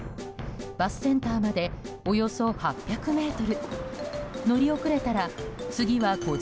バスセンターまでおよそ８００ｍ。